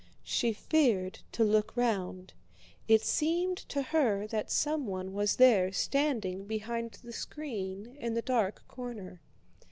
She feared to look round, it seemed to her that someone was there standing behind the screen in the dark corner.